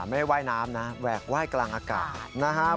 ไม่ได้ว่ายน้ำนะแหวกไหว้กลางอากาศนะครับ